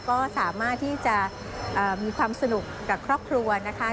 ก็สามารถที่จะมีความสนุกกับครอบครัวนะคะ